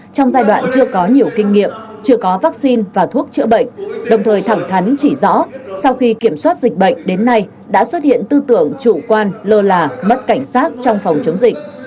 trong giai đoạn chưa có nhiều kinh nghiệm chưa có vaccine và thuốc chữa bệnh đồng thời thẳng thắn chỉ rõ sau khi kiểm soát dịch bệnh đến nay đã xuất hiện tư tưởng chủ quan lơ là mất cảnh sát trong phòng chống dịch